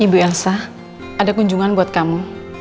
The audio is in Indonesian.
ibu elsa ada kunjungan buat kamu